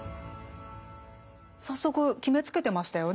早速決めつけてましたよね。